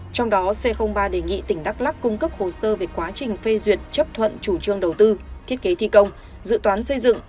trong đó c ba đề nghị tỉnh đắk lắc cung cấp hồ sơ về quá trình phê duyệt chấp thuận chủ trương đầu tư thiết kế thi công dự toán xây dựng